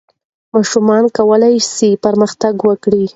ماشومان کولای سي پرمختګ وکړي.